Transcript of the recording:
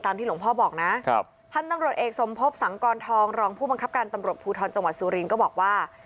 ที่หลวงพ่อบอกนะครับพันธุ์ตำรวจเอกสมภพสังกรทองรองผู้บังคับการตำรวจภูทรจังหวัดสุรินทร์ก็บอกว่า